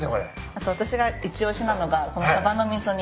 あと私が一押しなのがこのサバの味噌煮。